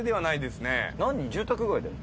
住宅街だよ。